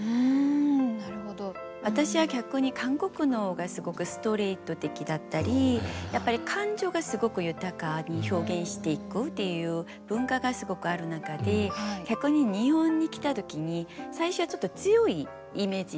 私は逆に韓国の方がすごくストレート的だったりやっぱり感情がすごく豊かに表現していくっていう文化がすごくある中で逆に日本に来た時に最初はちょっと強いイメージ。